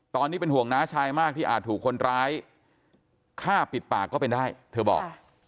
ตอนนี้เป็นห่วงน้าชายมากที่อาจถูกคนร้ายฆ่าปิดปากก็เป็นได้เธอบอก